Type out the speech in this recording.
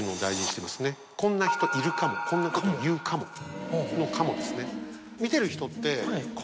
こんな人いるかもこんなこと言うかもの「かも」ですね。